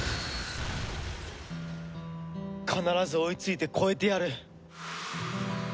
必ず追いついて超えてやる。